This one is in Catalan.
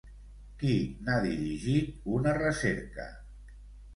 Qui n'ha dirigit una recerca?